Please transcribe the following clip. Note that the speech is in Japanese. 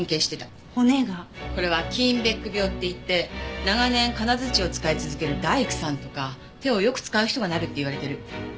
これはキーンベック病っていって長年かなづちを使い続ける大工さんとか手をよく使う人がなるって言われてる。